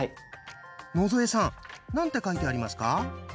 野添さん何て書いてありますか？